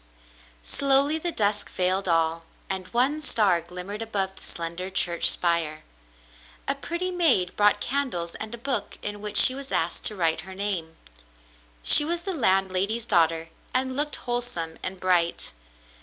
Slowly the dusk veiled all, and one star glimmered above the slender church spire. A pretty maid brought candles 276 Cassandra at Queensderry 277 and a book in which she was asked to write her name. She was the landlady's daughter and looked wholesome and bright.